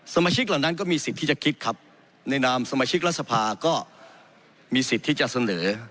เหมานั้นก็มีสิทธิ์ที่จะคิดครับในนามสมาชิกรัฐสภาก็มีสิทธิ์ที่จะเสนอ